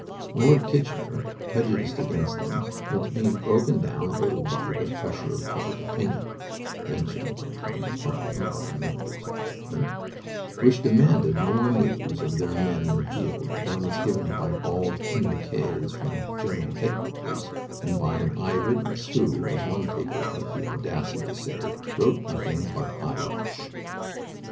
Lord Kitchener, prejudiced against them, was being broken down a little by the pressure of public opinion (mentioned from time to time by members of the government), which demanded more news of their men in the field than was given by bald communiqués from General Headquarters and by an "eye witness" who, as one paper had the audacity to say, wrote nothing but "eye wash."